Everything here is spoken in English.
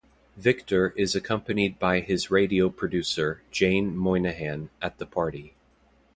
Victor is accompanied by his radio producer, Jane Moynihan, at the party.